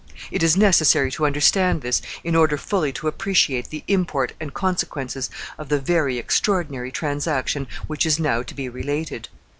It is necessary to understand this, in order fully to appreciate the import and consequences of the very extraordinary transaction which is now to be related.